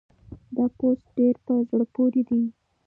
دا پوسټ ډېر په زړه پورې دی.